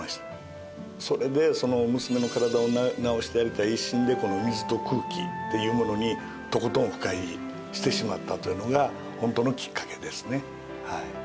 それでその娘の体を治してやりたい一心でこの水と空気というものにとことん深入りしてしまったというのが本当のきっかけですね。